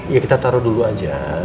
ya kita taruh dulu aja